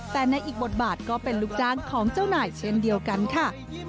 แต่ในอีกบทบาทก็เป็นลูกจ้างของเจ้านายเช่นเดียวกันค่ะ